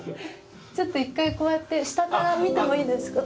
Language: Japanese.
ちょっと一回こうやって下から見てもいいですか？